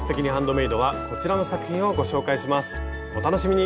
お楽しみに！